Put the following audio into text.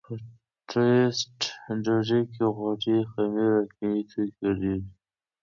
په ټوسټ ډوډۍ کې غوړي، خمیر او کیمیاوي توکي ګډېږي.